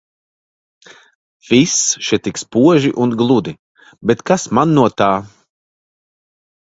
Viss še tik spoži un gludi, bet kas man no tā.